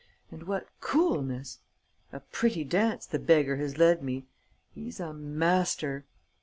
And what coolness! A pretty dance the beggar has led me! He's a master!"